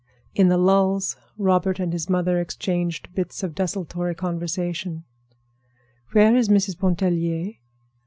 In the lulls, Robert and his mother exchanged bits of desultory conversation. "Where is Mrs. Pontellier?"